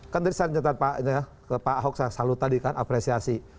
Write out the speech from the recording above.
kan tadi saya nyata pak ahok saya salut tadi kan apresiasi